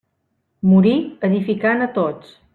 Morí edificant a tots.